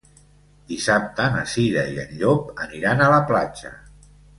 Dissabte na Cira i en Llop aniran a la platja.